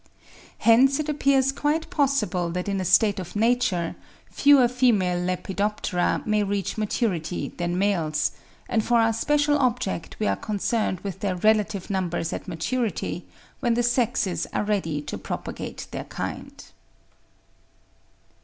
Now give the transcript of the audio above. Hence it appears quite possible that in a state of nature, fewer female Lepidoptera may reach maturity than males; and for our special object we are concerned with their relative numbers at maturity, when the sexes are ready to propagate their kind.